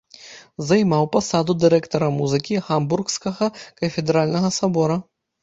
Займаў пасаду дырэктара музыкі гамбургскага кафедральнага сабора.